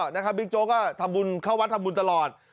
บิ๊กโจ๊กก็ทำบุญเข้าวัดทำบุญตลอด